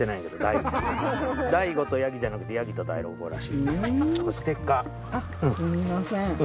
「大悟とヤギ」じゃなくて『ヤギと大悟』らしいんよ。これステッカー。すみません。